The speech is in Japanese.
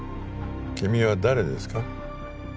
君は誰ですか？